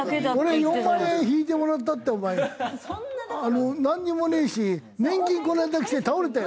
俺４万円引いてもらったってお前なんにもねえし年金この間きて倒れたよ。